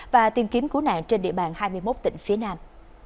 và tìm kiếm cứu nạn trên địa bàn hai mươi một tỉnh phía nam